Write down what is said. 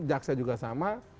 jaksa juga sama